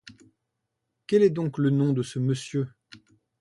Quel est donc le nom de ce monsieur?